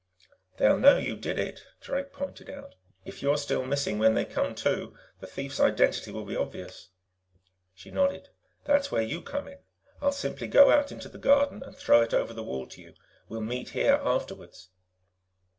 "They'll know you did it," Drake pointed out. "If you're still missing when they come to, the thief's identity will be obvious." She nodded. "That's where you come in. I'll simply go out into the garden and throw it over the wall to you. We'll meet here afterwards."